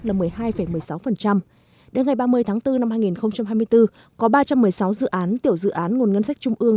là một mươi hai một mươi sáu đến ngày ba mươi tháng bốn năm hai nghìn hai mươi bốn có ba trăm một mươi sáu dự án tiểu dự án nguồn ngân sách trung ương